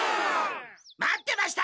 待ってました！